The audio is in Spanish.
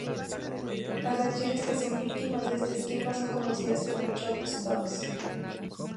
Las acciones que son víctimas de este esquema son conocidas como: chop stocks.